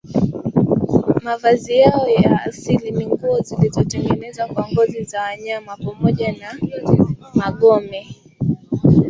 Mavazi yao ya asili ni nguo zilizotengenezwa kwa ngozi za wanyama pamoja na magome